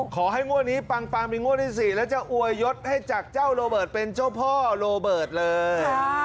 ขอให้งวดนี้ปังเป็นงวดที่๔แล้วจะอวยยศให้จากเจ้าโรเบิร์ตเป็นเจ้าพ่อโรเบิร์ตเลย